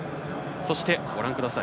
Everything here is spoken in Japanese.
そして、ご覧ください。